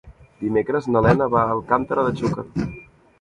Dimecres na Lena va a Alcàntera de Xúquer.